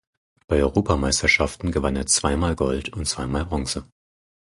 Bei Europameisterschaften gewann er zweimal Gold und zweimal Bronze.